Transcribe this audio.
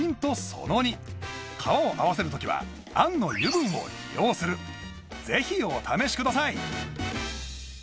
その２皮を合わせるときは餡の油分を利用するぜひお試しください